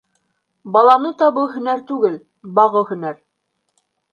Баланы табыу һөнәр түгел, бағыу һөнәр.